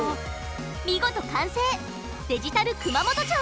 見事完成デジタル熊本城！